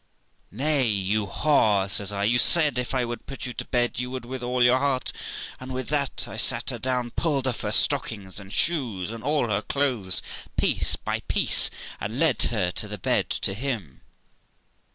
' Nay, you whore ', says I, ' you said, if I would put you to bed, you would with all your heart.' And with that I sat her down, pulled off her stockings and shoes, and all her clothes piece by piece, and led her to the bed to him.